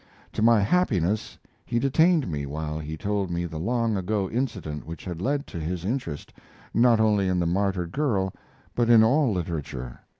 To my happiness, he detained me while he told me the long ago incident which had led to his interest, not only in the martyred girl, but in all literature.